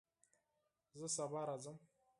زه سبا راځم